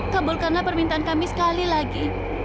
kabulkanlah permintaan kami sekali lagi